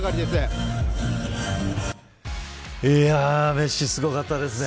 メッシ、すごかったですね。